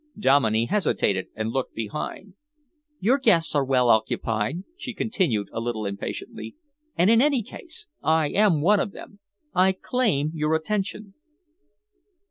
Dominey hesitated and looked behind. "Your guests are well occupied," she continued a little impatiently, "and in any case I am one of them. I claim your attention."